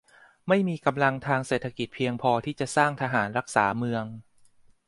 ไม่มีกำลังทางเศรษฐกิจเพียงพอที่จะสร้างทหารรักษาเมือง